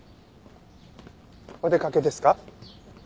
お出かけですか？